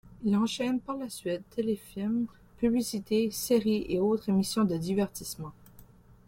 Il enchaîne par la suite téléfilms, publicités, séries et autres émissions de divertissement.